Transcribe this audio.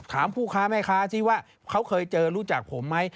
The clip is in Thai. ถามผู้ค้าไหมคะสิว่าเขาเคยเจอรู้จักผมไหม